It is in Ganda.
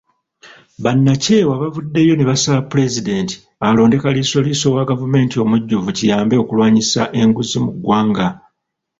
Bannakyewa bavuddeyo ne basaba Pulezidenti alonde kaliisoliiso wa gavumenti omujjuvu kiyambe okulwanyisa enguzi mu ggwanga.